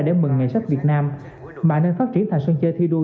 để mừng ngày sách việt nam mà nên phát triển thành sân chơi thi đua